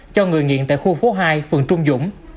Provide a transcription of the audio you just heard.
cho người nghiện tại khu phố hai phường trung dũng